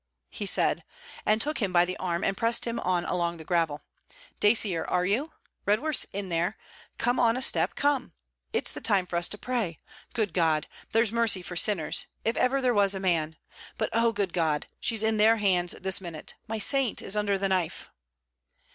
he said, and took him by the arm and pressed him on along the gravel. 'Dacier, are you? Redworth's in there. Come on a step, come! It's the time for us to pray. Good God! There's mercy for sinners. If ever there was a man!... But, oh, good God! she's in their hands this minute. My saint is under the knife.'